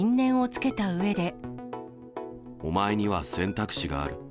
お前には選択肢がある。